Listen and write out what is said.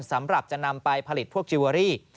สำหรับจะนำไปผลิตพวกจิลเวอรี่